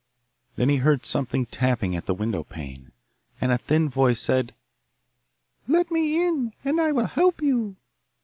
Then he heard something tapping at the window pane, and a thin voice said, 'Let me in, and I will help you.